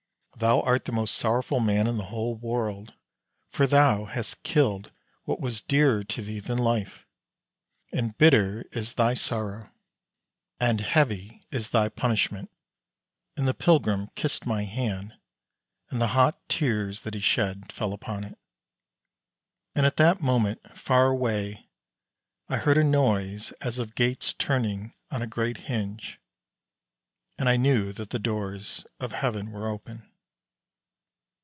Thou art the most sorrowful man in the whole world, for thou hast killed what was dearer to thee than life, and bitter is thy sorrow, and heavy is thy punishment." And the pilgrim kissed my hand, and the hot tears that he shed fell upon it. And at that moment, far away I heard a noise as of gates turning on a great hinge, and I knew that the doors of Heaven were open.